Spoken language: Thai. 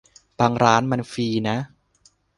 บางร้านมันฟรีนะ